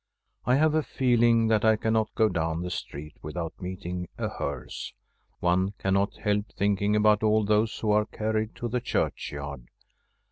I have a feeling that 1 cannot go down the street without meeting a hearse. One cannot help thinking about all those who are carried to the churchyard.